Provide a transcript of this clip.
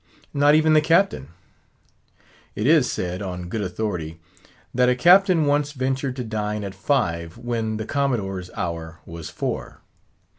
—Not even the Captain. It is said, on good authority, that a Captain once ventured to dine at five, when the Commodore's hour was four.